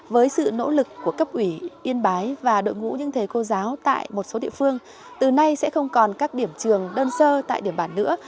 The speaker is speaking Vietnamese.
với sự nỗ lực của cấp ủy yên bái và đội ngũ những thầy cô giáo tại một số địa phương từ nay sẽ không còn các điểm trường đơn sơ tại điểm bản nữa